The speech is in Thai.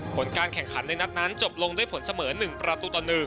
ผลการแข่งขันในนัดนั้นจบลงด้วยผลเสมอ๑ประตูต่อ๑